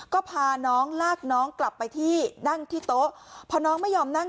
ก็พาน้องลากน้องกลับไปที่นั่งที่โต๊ะพอน้องไม่ยอมนั่ง